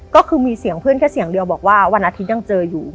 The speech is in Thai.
ก็คือมีเสียงเพื่อนแค่เสียงเดียวบอกว่าวันอาทิตย์ยังเจออยู่